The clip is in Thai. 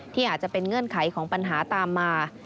ที่อาจจะเป็นเงื่อนไขของปัญหาตามมา